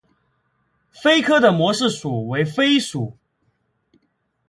鲱科的模式属为鲱属。